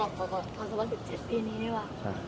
อ่ะสำหรับ๑๗ปีนี้นี่หว่ะ